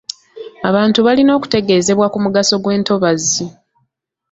Abantu balina okutegeezebwa ku mugaso gw'entobazi.